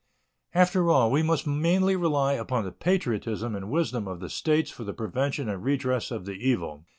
After all, we must mainly rely upon the patriotism and wisdom of the States for the prevention and redress of the evil.